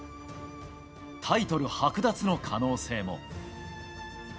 タイトルはく奪の可能性も。